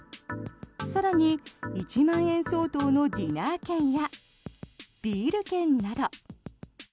更に、１万円相当のディナー券やビール券など。